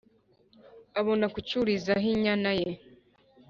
abona kucyurizaho inyana ye.